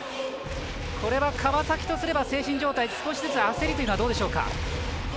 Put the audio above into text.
これは川崎とすれば精神状態少しずつ焦りというのはどうでしょうか。